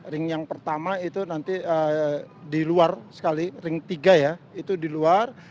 ring yang pertama itu nanti di luar sekali ring tiga ya itu di luar